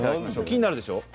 気になるでしょう？